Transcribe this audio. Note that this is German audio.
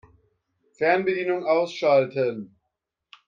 Fernbedienung ausschalten.